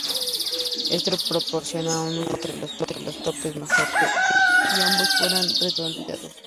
Esto proporciona un contacto entre los topes mejor que si ambos fueran redondeados.